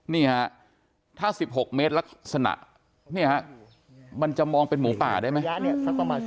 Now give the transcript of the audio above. นี่ฮะถ้า๑๖เมตรลักษณะเนี่ยฮะมันจะมองเป็นหมูป่าได้ไหม